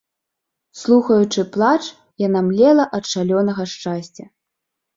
Слухаючы плач, яна млела ад шалёнага шчасця.